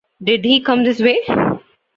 Did he come this way?